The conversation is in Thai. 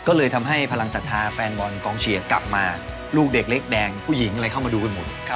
ก็เลยทำให้พลังศรัทธาแฟนบอลกองเชียร์กลับมาลูกเด็กเล็กแดงผู้หญิงอะไรเข้ามาดูกันหมด